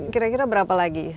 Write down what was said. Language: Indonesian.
kira kira berapa lagi